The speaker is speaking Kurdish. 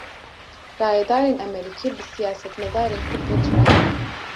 Rayedarên Emerîkî, bi siyasemedarên Kurd re civiyan